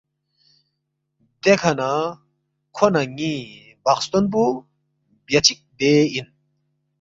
دیکھہ نہ کھو نہ ن٘ی بخستون پو بیا چِک بے اِن